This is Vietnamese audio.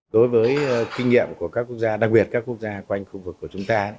đối với kinh nghiệm của các quốc gia đặc biệt các quốc gia quanh khu vực của chúng ta